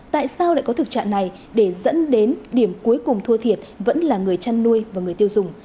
tại sao lại có thực trạng này để dẫn đến điểm cuối cùng thua thiệt vẫn là người chăn nuôi và người tiêu dùng